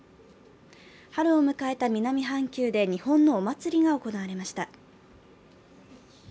春を迎えた南半球で日本のお祭りが行われました。